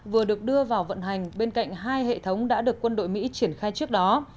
vừa được đưa vào vận hành bên cạnh hai hệ thống đã được quân đội mỹ triển khai trước đó